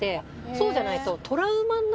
そうじゃないと。